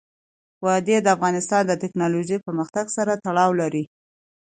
وادي د افغانستان د تکنالوژۍ پرمختګ سره تړاو لري.